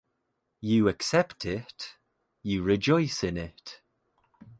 You accept it, you rejoice in it.